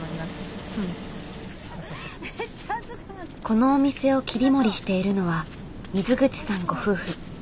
このお店を切り盛りしているのは水口さんご夫婦。